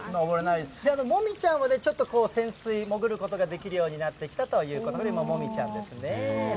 モミちゃんは、ちょっと潜水、潜ることができるようになってきたということで、今、モミちゃんですね。